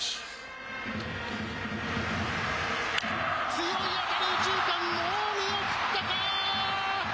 強い当たり、右中間、もう見送ったかー。